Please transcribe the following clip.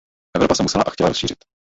Evropa se musela a chtěla rozšířit.